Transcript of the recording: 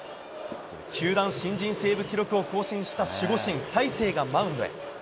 球団新人セーブ記録を更新した守護神、大勢がマウンドへ。